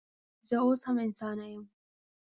زه اوس هم انسانه یم